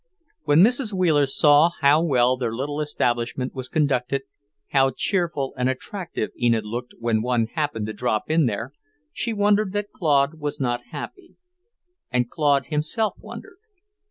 When Mrs. Wheeler saw how well their little establishment was conducted, how cheerful and attractive Enid looked when one happened to drop in there, she wondered that Claude was not happy. And Claude himself wondered.